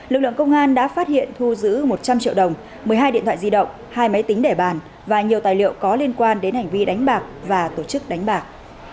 lực lượng công an đã phát hiện thu giữ một trăm linh triệu đồng một mươi hai điện thoại di động hai máy tính để bàn và nhiều tài liệu có liên quan đến hành vi đánh bạc và tổ chức đánh bạc